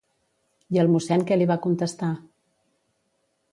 I el mossèn què li va contestar?